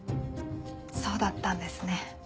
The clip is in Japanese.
そうだったんですね。